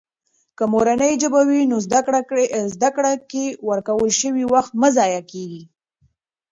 که مورنۍ ژبه وي، نو زده کړې کې ورکړل شوي وخت مه ضایع کېږي.